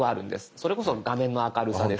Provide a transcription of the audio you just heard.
それこそ画面の明るさですとか。